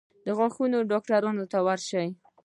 د غاښونو ډاکټر ته ورشئ